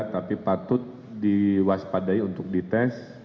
tapi patut diwaspadai untuk dites